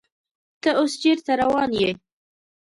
ته اوس چیرته روان یې؟